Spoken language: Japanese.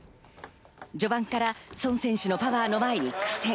序盤からソン選手のパワーの前に苦戦。